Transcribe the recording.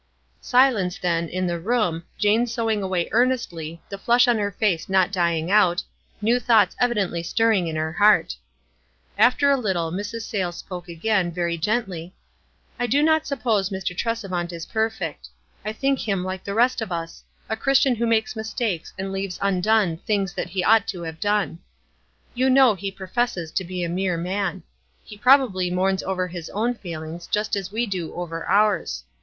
Silence, then, in the room, Jane sewing away earnestly, the flush on her face not dying out, new thoughts evidently stirring in her heart. After a little Mrs. Sayles spoke again, very erentiv. — 164 WISE AND OTHERWISE. " I clo not suppose Mr. Tresevant is perfect. I think hiui like the rest of us — a Christian who makes mistakes and leaves undone things that he ought to have done. You know he professes to be a mere man. He probably mourns over his own failings just as we do over ours.